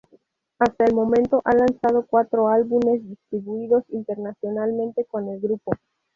Hasta el momento, ha lanzado cuatro álbumes distribuidos internacionalmente con el grupo.